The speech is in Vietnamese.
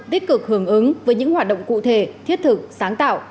tích cực hưởng ứng với những hoạt động cụ thể thiết thực sáng tạo